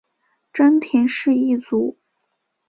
真田氏一族。